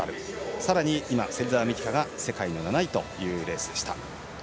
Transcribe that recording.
さらに、芹澤美希香が世界の７位というレースでした。